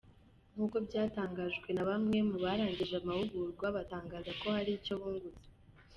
Nk’uko byatangajwe na bamwe mu barangije amahugurwa batangaza ko hari icyo bungutse.